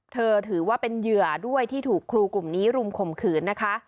ถือว่าเป็นเหยื่อด้วยที่ถูกครูกลุ่มนี้รุมข่มขืนนะคะ